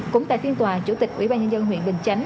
cũng tại phiên tòa chủ tịch ubnd huyện bình chánh